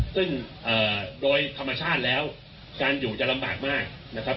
ซึ่งโดยธรรมชาติแล้วการอยู่จะลำบากมากนะครับ